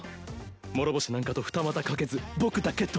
諸星なんかと二股かけず僕だけと。